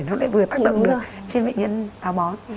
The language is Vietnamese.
nó lại vừa tác động được trên bệnh nhân táo bón